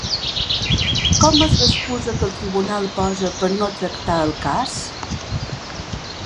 Com és l'excusa que el tribunal posa per no tractar el cas?